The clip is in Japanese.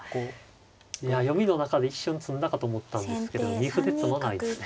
いや読みの中で一瞬詰んだかと思ったんですけど二歩で詰まないですね。